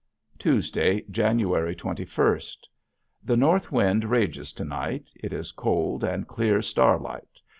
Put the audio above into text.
Tuesday, January twenty first. The north wind rages to night. It is cold and clear starlight.